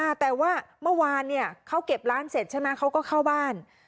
อ่าแต่ว่าเมื่อวานเนี่ยเขาเก็บร้านเสร็จใช่ไหมเขาก็เข้าบ้าน